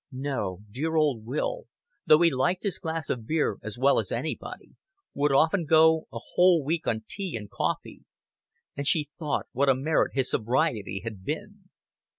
No, dear old Will, though he liked his glass of beer as well as anybody, would often go a whole week on tea and coffee; and she thought what a merit his sobriety had been.